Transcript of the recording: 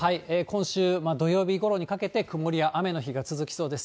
今週、土曜日ごろにかけて曇りや雨の日が続きそうです。